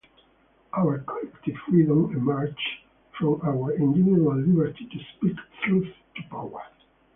Our collective freedom emerges from our individual liberty to speak truth to power.